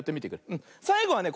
さいごはね